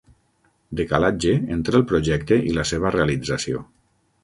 Decalatge entre el projecte i la seva realització.